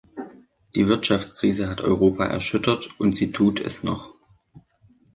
Die Wirtschaftskrise hat Europa erschüttert und sie tut es noch.